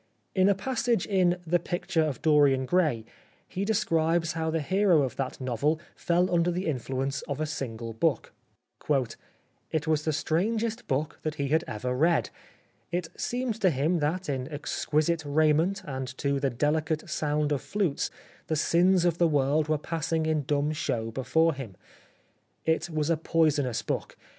In a passage in " The Picture of Dorian Gray," he describes how the hero of that novel fell under the influence of a single book. " It was the E 65 The Life of Oscar Wilde strangest book that he had ever read. It seemed to him that, in exquisite raiment, and to the dehcate sound of flutes, the sins of the world were passing in dumb show before him. ... It was a poisonous book.